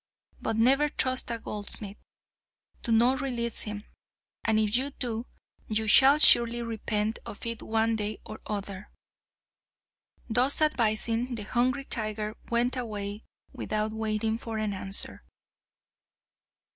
But never trust a goldsmith. Do not release him; and if you do, you shall surely repent of it one day or other." Thus advising, the hungry tiger went away without waiting for an answer.